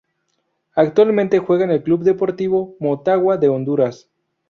Actualmente juega en el Club Deportivo Motagua de Honduras.